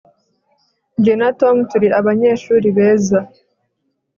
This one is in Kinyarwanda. jye na tom turi abanyeshuri beza